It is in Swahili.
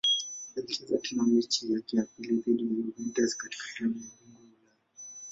Alicheza tena mechi yake ya pili dhidi ya Juventus katika klabu bingwa Ulaya.